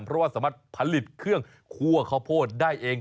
เพราะว่าสามารถผลิตเครื่องคั่วข้าวโพดได้เอง